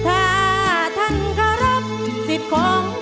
คนไทยรักชาและศาสนาชาติองเจ้าภูทรงเพียงเหนือนาวุ่น